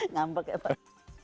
ngambek ya pak